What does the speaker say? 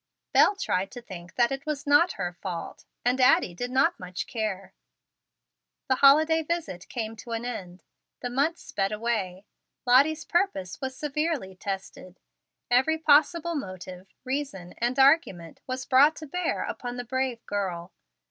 Bel tried to think that it was not her fault, and Addie did not much care. The holiday visit came to an end. The months sped away. Lottie's purpose was severely tested. Every possible motive, reason, and argument was brought to bear upon the brave girl.